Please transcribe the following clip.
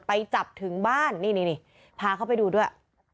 ไปจับถึงบ้านนี่พาเขาไปดูด้วย